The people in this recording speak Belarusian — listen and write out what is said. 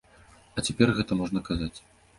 А цяпер гэта можна казаць.